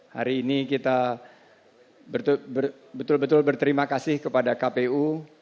hari ini kita betul betul berterima kasih kepada kpu